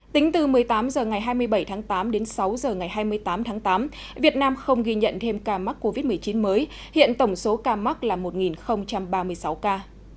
tính từ một mươi tám h ngày hai mươi bảy tháng tám đến sáu h ngày hai mươi tám tháng tám việt nam không ghi nhận thêm ca mắc covid một mươi chín mới hiện tổng số ca mắc là một ba mươi sáu ca